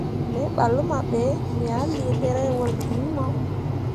Me ɓah luma be, me ah lii ɗerewol gi iŋ mo.